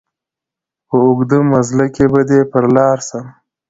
په اوږد مزله کي به دي پر لار سم